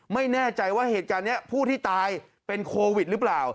ไม่แน่ใจว่าเหตุการณ์นี้ผู้ที่ตายเป็นโควิดหรือเปล่า